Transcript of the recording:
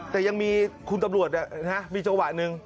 แต่ยังมีคุณตำรวจมีจังหวะหนึ่ง